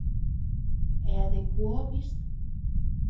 E a de Quobis?